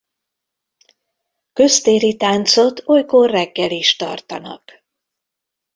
Köztéri táncot olykor reggel is tartanak.